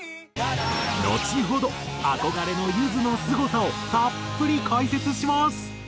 のちほど憧れのゆずのすごさをたっぷり解説します。